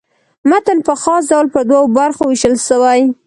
متن په خاص ډول پر دوو برخو وېشل سوی.